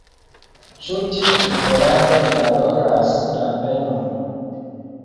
Ĉu tiu suferado valoras la penon?